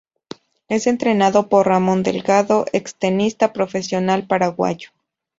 Es entrenado por Ramón Delgado, extenista profesional paraguayo.